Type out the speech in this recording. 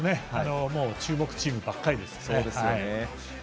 注目チームばかりですから。